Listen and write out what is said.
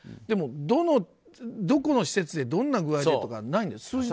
でも、どこの施設でどんな具合でとかないんですよ。